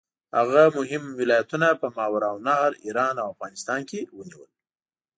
هغه مهم ولایتونه په ماوراالنهر، ایران او افغانستان کې ونیول.